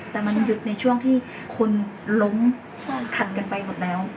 แต่มันหยุดในช่วงที่คนล้มขัดกันไปหมดแล้ว